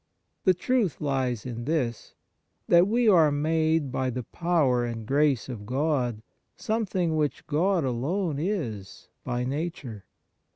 The truth lies in this that we are made by the power and grace of God something which God alone is by nature.